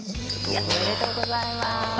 おめでとうございます。